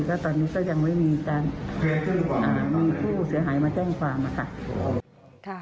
ก็ตอนนี้ก็ยังไม่มีการมีผู้เสียหายมาแจ้งความค่ะ